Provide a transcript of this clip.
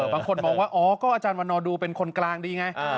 บางคนมองว่าอ๋อก็อาจารย์วันนอดูเป็นคนกลางดีไง